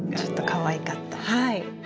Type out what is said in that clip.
はい。